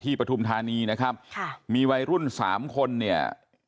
ปฐุมธานีนะครับค่ะมีวัยรุ่นสามคนเนี่ย